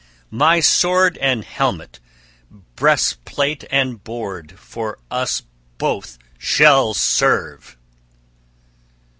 My sword and helmet, breastplate and board, for us both shall serve!"